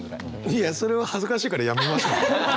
いやそれは恥ずかしいからやめましょう。